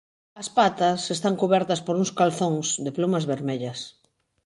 As patas están cubertas por uns "calzóns" de plumas vermellas.